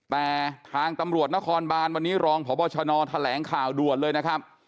แต่ทางตำรวจนครบานวันนี้รองพบชนแถลงข่าวด่วนเลยนะครับ